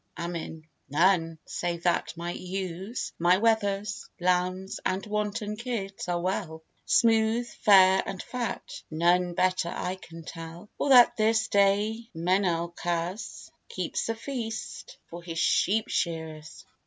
AMIN. None, save that my ewes, My wethers, lambs, and wanton kids are well, Smooth, fair, and fat; none better I can tell: Or that this day Menalchas keeps a feast For his sheep shearers.